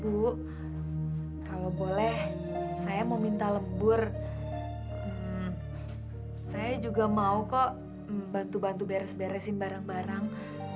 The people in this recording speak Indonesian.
bu kalau boleh saya mau minta lebur saya juga mau kok bantu bantu beres beresin barang barang